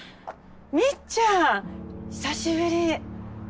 みっちゃん久しぶり。